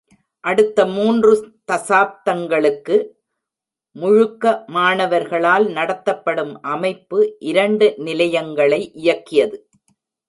அடுத்த மூன்று தசாப்தங்களுக்கு, முழுக்க மாணவர்களால் நடத்தப்படும் அமைப்பு இரண்டு நிலையங்களை இயக்கியது.